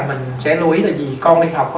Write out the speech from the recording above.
mình sẽ lưu ý là vì con đi học